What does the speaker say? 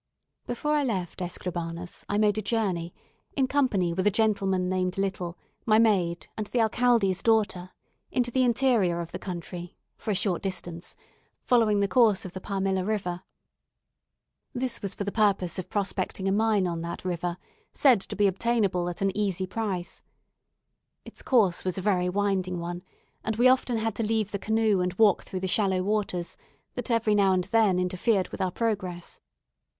Before I left Escribanos I made a journey, in company with a gentleman named Little, my maid, and the alcalde's daughter, into the interior of the country, for a short distance, following the course of the Palmilla river. This was for the purpose of prospecting a mine on that river, said to be obtainable at an easy price. Its course was a very winding one; and we often had to leave the canoe and walk through the shallow waters, that every now and then interfered with our progress.